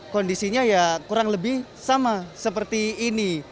kondisinya ya kurang lebih sama seperti ini